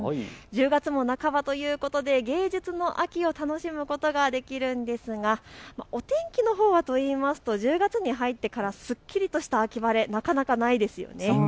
１０月も半ばということで芸術の秋を楽しむことができるんですがお天気のほうはというと１０月に入ってからすっきりとした秋晴れ、なかなかないですよね。